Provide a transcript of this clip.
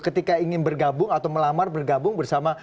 ketika ingin bergabung atau melamar bergabung bersama